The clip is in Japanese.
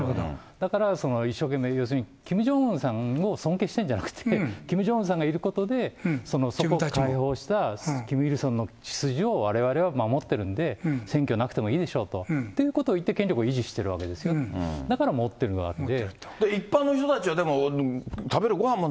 だから一生懸命要するにキム・ジョンウンさんを尊敬してるんじゃなくて、キム・ジョンウンさんがいることで、に応じたキム・イルソンの血筋をわれわれは守ってるんで、なくてもいいでしょうということをいって権力を維持しているわけですよね、だからもってるんであって。